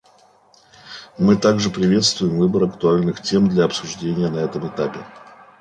Мы также приветствуем выбор актуальных тем для обсуждения на этом этапе.